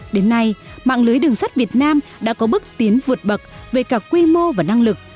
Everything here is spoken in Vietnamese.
đến nay mạng lưới đường sắt việt nam đã có bước tiến vượt bậc về cả quy mô và năng lực